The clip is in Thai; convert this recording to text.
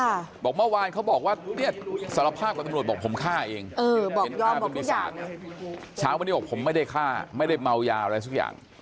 ค่ะบอกเมื่อวานเขาบอกว่าเนี่ยสารภาพกับตำรวจบอกผมฆ่าเอง